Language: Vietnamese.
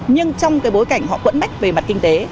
nhưng trong cái bối cảnh họ quẫn bách về mặt kinh tế